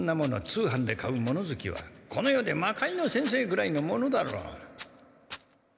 通販で買う物ずきはこの世で魔界之先生ぐらいのものだろう。